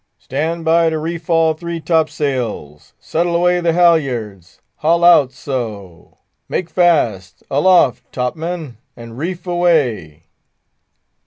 "Stand by to reef all three top sails!—settle away the halyards!—haul out—so: make fast!—aloft, top men! and reef away!"